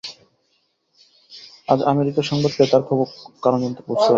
আজ আমেরিকার সংবাদ পেয়ে তার কারণ বুঝতে পারলাম।